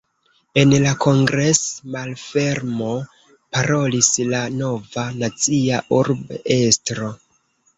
En la kongres-malfermo parolis la nova, nazia urb-estro.